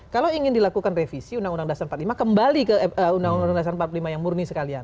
kalau ingin dilakukan revisi undang undang dasar empat puluh lima kembali ke undang undang dasar empat puluh lima yang murni sekalian